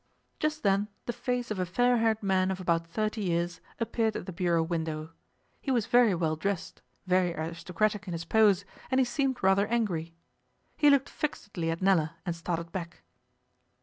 Just then the face of a fair haired man of about thirty years appeared at the bureau window. He was very well dressed, very aristocratic in his pose, and he seemed rather angry. He looked fixedly at Nella and started back.